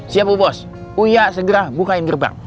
siap bu bos uya segera bukain gerbang